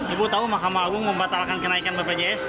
ibu tahu mahkamah agung membatalkan kenaikan bpjs